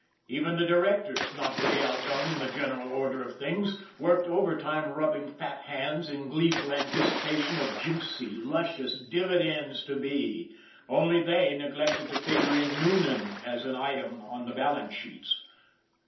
Even the directors, not to be outdone in the general order of things, worked overtime rubbing fat hands in gleeful anticipation of juicy, luscious dividends to be ; only they neglected to figure in Noonan as an item on the balance sheets.